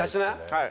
はい。